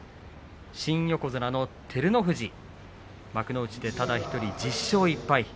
新横綱の照ノ富士幕内でただ１人、１０勝１敗。